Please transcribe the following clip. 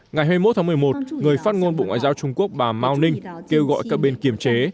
ngày hai mươi một tháng một mươi một người phát ngôn bộ ngoại giao trung quốc bà mao ninh kêu gọi các bên kiềm chế